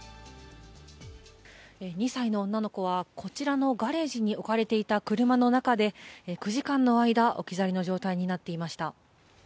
２歳の女の子は、こちらのガレージに置かれていた車の中で９時間の間、置き去りの状態になっていました。